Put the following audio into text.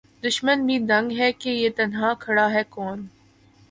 دُشمن بھی دنگ ہے کہ یہ تنہا کھڑا ہے کون